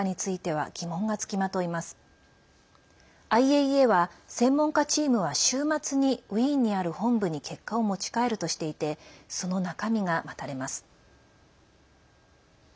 ＩＡＥＡは専門家チームは週末に、ウィーンにある本部に結果を持ち帰るとしていてその中身が待たれます。